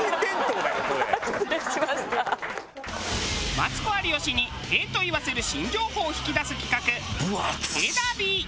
マツコ有吉に「へぇ」と言わせる新情報を引き出す企画「へぇダービー」。